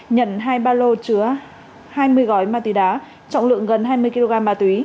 nhận hai ba lô chứa hai mươi gói ma túy đá trọng lượng gần hai mươi kg ma túy